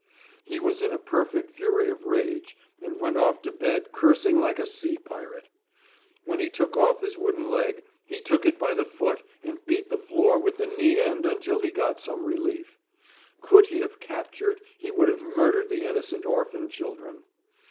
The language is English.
He was in a perfect fury of rage, and went off to bed cursing like a sea pirate. When he took off his wooden leg, he took it by the foot and beat the floor with the knee end until he got some relief. Could he have captured, he would have murdered the innocent orphan children.